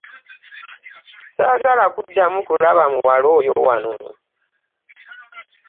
Ssaagala kudamu kulaba muwala oyo wano.